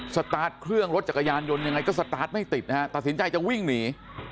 สตาร์ทเครื่องรถจักรยานยนต์ยังไงก็สตาร์ทไม่ติดนะฮะตัดสินใจจะวิ่งหนี